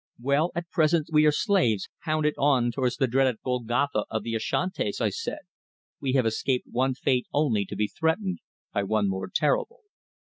"Well, at present we are slaves hounded on towards the dreaded Golgotha of the Ashantis," I said. "We have escaped one fate only to be threatened by one more terrible."